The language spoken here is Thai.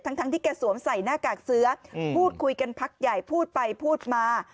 ทั้งที่แกสวมใส่หน้ากากเสื้อพูดคุยกันพักใหญ่พูดไปพูดมา